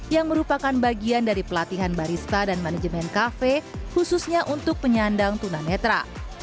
yang merupakan bagian dari pelatihan barista dan manajemen cafe khususnya untuk penyandang tuna netra